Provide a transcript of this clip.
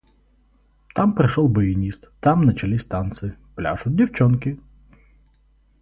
Там пришел баянист, там начались танцы – пляшут девчонки.